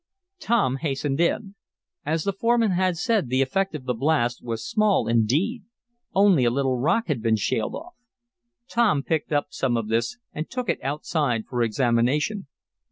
Tom hastened in. As the foreman had said, the effect of the blast was small indeed. Only a little rock had been shaled off. Tom picked up some of this and took it outside for examination.